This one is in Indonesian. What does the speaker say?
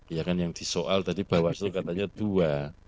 iya kan yang disoal tadi bawah itu katanya dua